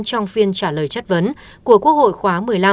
trả lời chất vấn của quốc hội khóa một mươi năm